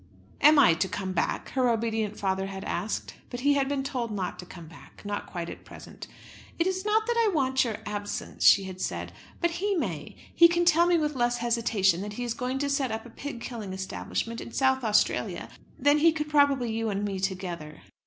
"Am I to come back?" her obedient father had asked. But he had been told not to come back, not quite at present. "It is not that I want your absence," she had said, "but he may. He can tell me with less hesitation that he is going to set up a pig killing establishment in South Australia than he could probably you and me together."